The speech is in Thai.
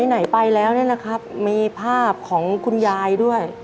ไหนไปแล้วเนี่ยนะครับมีภาพของคุณยายด้วย